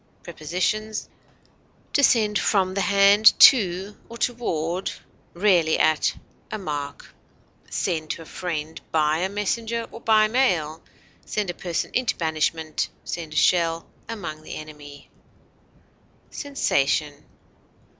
Prepositions: To send from the hand to or toward (rarely at) a mark; send to a friend by a messenger or by mail; send a person into banishment; send a shell among the enemy. SENSATION.